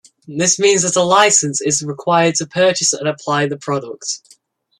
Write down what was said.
This means that a license is required to purchase and apply the product.